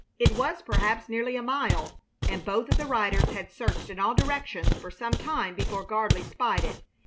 It was perhaps nearly a mile, and both the riders had searched in all directions for some time before Gardley spied it.